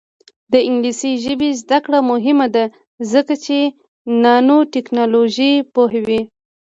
د انګلیسي ژبې زده کړه مهمه ده ځکه چې نانوټیکنالوژي پوهوي.